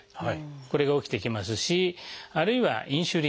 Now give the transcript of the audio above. これが起きてきますしあるいはインスリン